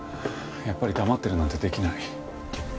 やっぱり黙ってるなんてできない。